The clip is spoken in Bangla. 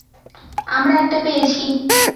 আমরা একটা পেয়েছি!